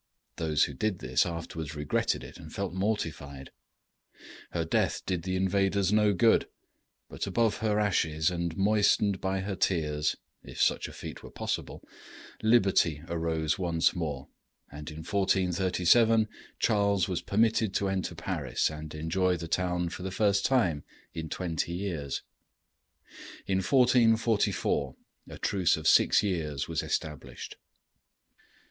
Those who did this afterwards regretted it and felt mortified. Her death did the invaders no good; but above her ashes, and moistened by her tears, if such a feat were possible, liberty arose once more, and, in 1437, Charles was permitted to enter Paris and enjoy the town for the first time in twenty years. In 1444 a truce of six years was established.